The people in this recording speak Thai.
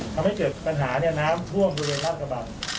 ทำให้เกิดปัญหาน้ำท่วมบริเวณลาดกระบัง